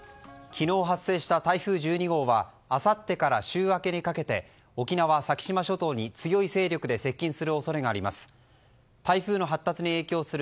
昨日、発生した台風１２号はあさってから週明けにかけて沖縄先島諸島に強い勢力で接近する恐れがあります。